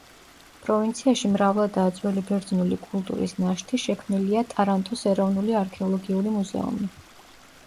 პროვინციაში მრავლადაა ძველი ბერძნული კულტურის ნაშთი, შექმნილია ტარანტოს ეროვნული არქეოლოგიური მუზეუმი.